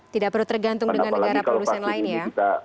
tidak perlu tergantung dengan negara produsen lain ya